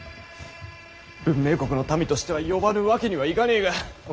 文明国の民としては呼ばぬわけにはいがねぇが。